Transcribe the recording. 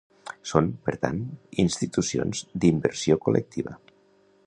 Són, per tant, institucions d'inversió col·lectiva.